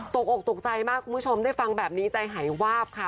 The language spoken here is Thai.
ตกอกตกใจมากคุณผู้ชมได้ฟังแบบนี้ใจหายวาบค่ะ